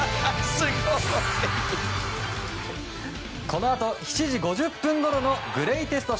このあと７時５０分ごろのグレイテスト